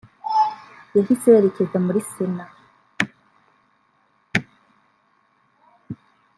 yahise yerekeza muri Sena